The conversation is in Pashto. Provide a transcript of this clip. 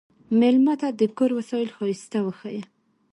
مېلمه ته د کور وسایل ښايسته وښیه.